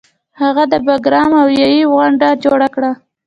هغه د باګرام اوویی غونډه جوړه کړه